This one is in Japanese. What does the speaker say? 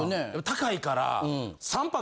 高いから。